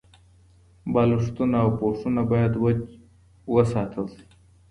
بالښتونه او پوښونه باید وچ وساتل شي.